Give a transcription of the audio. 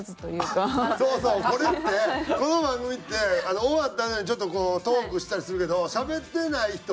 これってこの番組って終わったあとにちょっとこうトークしたりするけどしゃべってない人